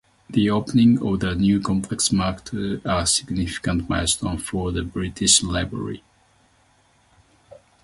The opening of the new complex marked a significant milestone for the British Library.